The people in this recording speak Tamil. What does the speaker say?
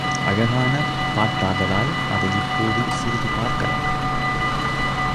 அழகான பாட்டாதலால் அதை இப்போது சிறிது பார்க்கலாம்.